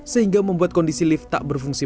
sehingga membuat kondisi lift tak berfungsi